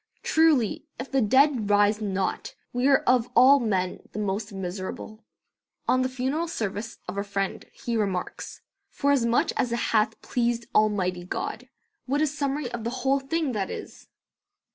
Truly, if the dead rise not, we are of all men the most miserable." On the funeral service of a friend he remarks: "'Forasmuch as it hath pleased Almighty God,' what a summary of the whole thing that is!"